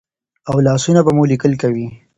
او لاسونه به مو لیکل کوي.